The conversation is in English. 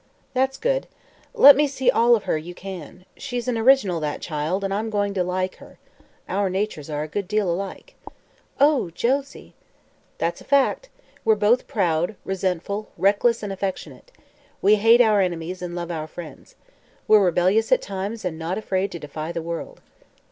"That's good. Let me see all of her you can. She's an original, that child, and I'm going to like her. Our natures are a good deal alike." "Oh, Josie!" "That's a fact. We're both proud, resentful, reckless and affectionate. We hate our enemies and love our friends. We're rebellious, at times, and not afraid to defy the world."